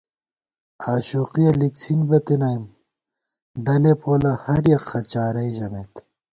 آشوقِیَہ لِکڅِھن بِتَنَئیم ، ڈلے پولہ ہَر یَک خہ چارَئے ژَمېت